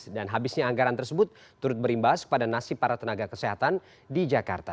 dan habisnya anggaran tersebut turut berimbas kepada nasib para tenaga kesehatan di jakarta